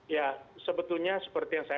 ya sebetulnya seperti yang saya